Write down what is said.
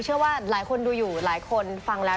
เชื่อว่าหลายคนดูอยู่หลายคนฟังแล้ว